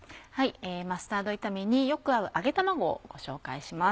マスタード炒めによく合う揚げ卵をご紹介します。